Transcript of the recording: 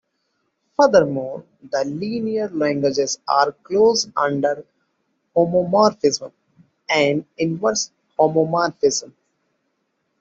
Furthermore, the linear languages are closed under homomorphism and inverse homomorphism.